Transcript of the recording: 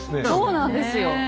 そうなんですよ。